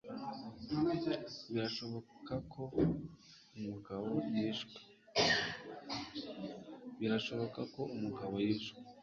Birashoboka ko umugabo yishwe.